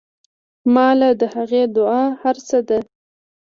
ما له د هغې دعا هر سه دي.